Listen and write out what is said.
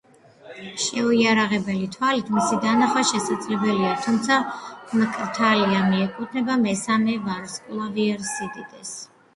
შეუიარაღებელი თვალით მისი დანახვა შესაძლებელია, თუმცა მკრთალია და მიეკუთვნება მესამე ვარსკვლავიერ სიდიდეს.